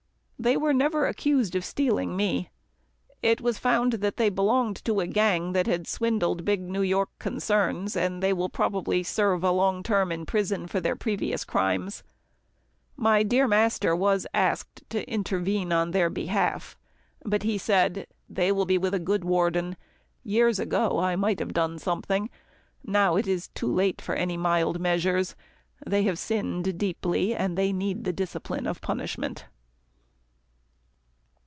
They were never accused of stealing me. It was found that they belonged to a gang that had swindled big New York concerns, and they will probably serve a long term in prison for their previous crimes. My dear master was asked to interfere on their behalf, but he said, "They will be with a good warden. Years ago, I might have done something. Now it is too late for any mild measures. They have sinned deeply, and they need the discipline of punishment."